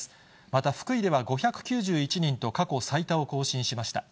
また福井では５９１人と、過去最多を更新しました。